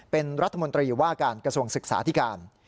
เป็นรัฐมนตรีว่าการกระทรวงศึกษาที่การ